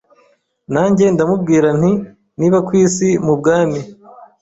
Nanjye ndamubwira nti Niba ku isi mu bwami